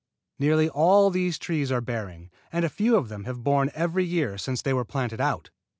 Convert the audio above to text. Nearly all these trees are in bearing, and a few of them have borne every year since they were planted out.